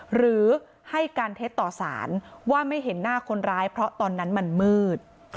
หรือให้การเท็จต่อสารว่าไม่เห็นหน้าคนร้ายเพราะตอนนั้นมันมืด